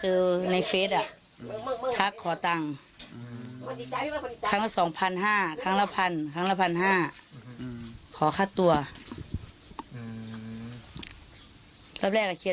เราได้ถามน้องไหมครับเพราะว่าทำไมเขาทำแบบนี้